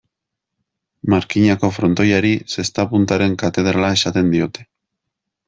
Markinako frontoiari, zesta-puntaren katedrala esaten diote.